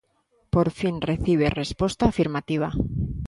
Por fin recibe resposta afirmativa.